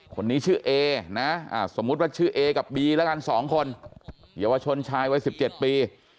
คนนี้ชื่อเอนะสมมุติว่าชื่อเอกับบีแล้วกัน๒คนเยาวชนชายวัย๑๗ปี